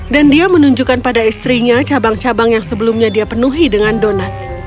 dan dia menunjukkan pada istrinya cabang cabang yang sebelumnya dia penuhi dengan donat